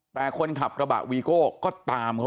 แปลคนขับกระบะวี๕๐๐ก็ตามเข้า